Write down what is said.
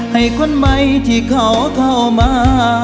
ให้คนใหม่ที่เขาเข้ามา